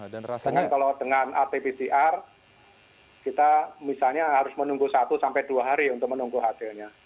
dan rasanya kalau dengan rt ptr kita misalnya harus menunggu satu dua hari untuk menunggu hasilnya